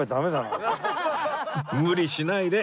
無理しないで！